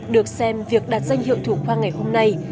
được xem việc đạt danh hiệu thủ khoa ngày hôm nay